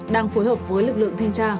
đang phối hợp với lực lượng thanh tra